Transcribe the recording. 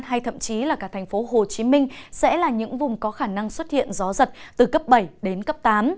hay thậm chí là cả thành phố hồ chí minh sẽ là những vùng có khả năng xuất hiện gió giật từ cấp bảy đến cấp tám